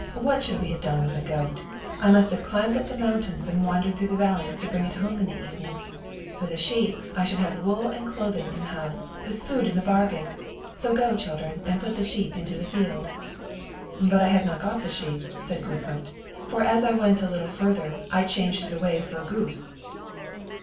What should we have done with a goat? I must have climbed up the mountains and wandered through the valleys to bring it home in the evening. With a sheep I should have wool and clothing in the house, with food into the bargain. So go, children, and put the sheep into the field." "But I have not got the sheep," said Gudbrand, "for as I went a little further, I changed it away for a goose."